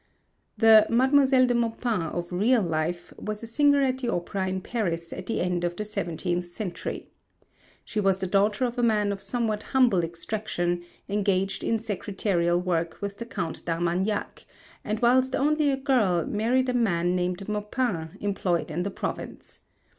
The Mademoiselle de Maupin of real life was a singer at the Opera in Paris at the end of the seventeenth century. She was the daughter of a man of somewhat humble extraction engaged in secretarial work with the Count d'Armagnac; and whilst only a girl married a man named Maupin employed in the province.